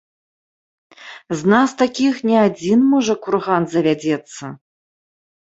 З нас такіх не адзін, можа, курган завядзецца.